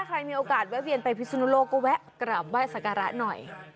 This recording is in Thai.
ใครมีโอกาสเวียนไปพิสุนุโรกับว่ายสักระหน่อย